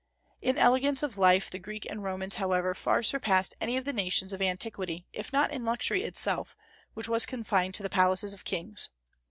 In elegance of life the Greeks and Romans, however, far surpassed any of the nations of antiquity, if not in luxury itself, which was confined to the palaces of kings.